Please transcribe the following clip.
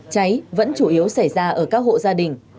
cháy vẫn chủ yếu xảy ra ở các hộ gia đình